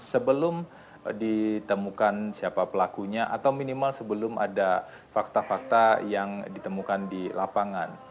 sebelum ditemukan siapa pelakunya atau minimal sebelum ada fakta fakta yang ditemukan di lapangan